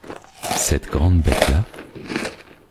cette grande bête-là?